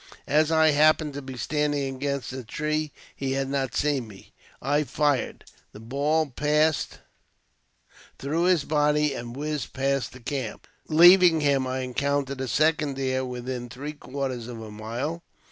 As I happened to be standing against a tree, he had not seen me. I fired ; the ball passed through his body, and whizzed past the camp. Leaving him, I encountered a second deer within three quarters of a mile.